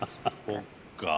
そっかあ。